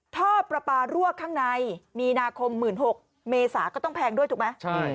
ท่อปลาปลารั่วข้างในมีนาคม๑๖๐๐เมษาก็ต้องแพงด้วยถูกไหม